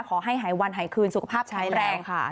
ขอให้หายวันหายคืนสุขภาพแข็งแรงค่ะ